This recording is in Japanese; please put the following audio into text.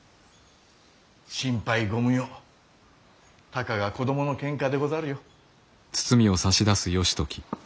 心配ご無用たかが子供のケンカでござるよ。